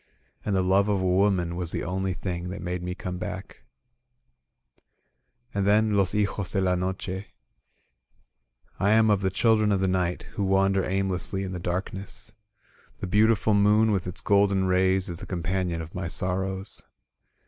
And the love of a woman was the only thing That made me come ba^Jc. And then *^Los Hijos de la Noche: "/ am of the children of the night Who wander aimlessly in the darkness. The beautiful moon with its golden rays Is the companion of my sorrows.